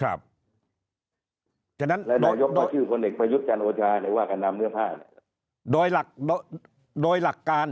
และนายกของชื่อคนเด็กประยุทธ์จันทร์โอชาญว่าการนำเนื้อผ้า